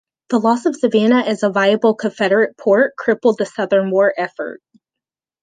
The loss of Savannah as a viable Confederate port crippled the Southern war effort.